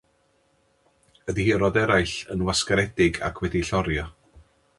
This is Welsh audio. Y Dihirod eraill yn wasgaredig ac wedi'u llorio.